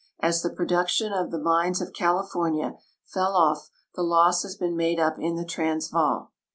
As the production of the mines of California fell off, the loss has been made up in the Transvaal.